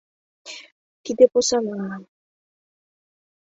Тиде посана...